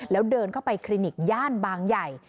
แล้วเดินเข้าไปคลินิกย่านบางใหญ่